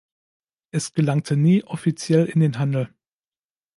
Es gelangte nie offiziell in den Handel.